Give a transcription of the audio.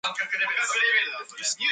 He was born to a Scottish emigrant.